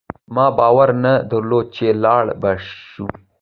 ما باور نه درلود چي لاړ به شو